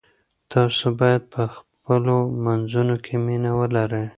تاسو باید په خپلو منځونو کې مینه ولرئ.